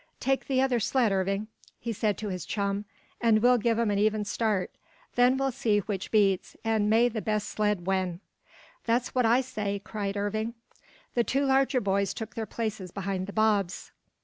"Take the other sled, Irving," he said to his chum, "and we'll give 'em an even start. Then we'll see which beats, and may the best sled win!" "That's what I say!" cried Irving. The two larger boys took their places behind the bobs.